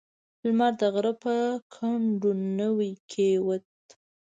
لمر د غره په کنډو نوی کېوت.